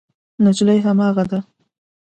نجلۍ هماغه وه.